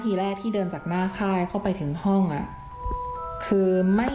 มีแต่เสียงตุ๊กแก่กลางคืนไม่กล้าเข้าห้องน้ำด้วยซ้ำ